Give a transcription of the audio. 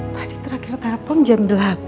tadi terakhir telepon jam delapan